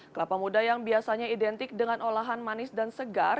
kelapa muda yang biasanya identik dengan olahan manis dan segar